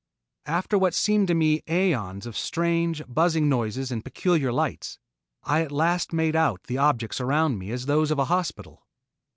After what seemed to me aeons of strange, buzzing noises and peculiar lights, I at last made out the objects around me as those of a hospital.